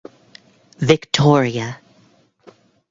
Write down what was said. Victoria.